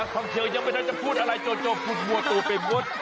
นักทองเชียร์ยังไม่ได้จะพูดอะไรโจโจพูดบัวตัวไปหมด